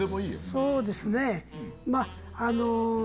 そうですねぇ。